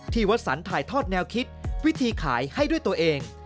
วัสสันถ่ายทอดแนวคิดวิธีขายให้ด้วยตัวเอง